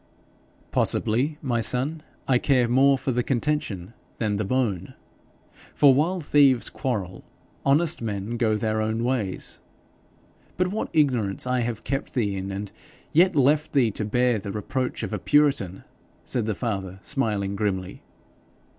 'Possibly, my son, I care more for the contention than the bone, for while thieves quarrel honest men go their own ways. But what ignorance I have kept thee in, and yet left thee to bear the reproach of a puritan!' said the father, smiling grimly.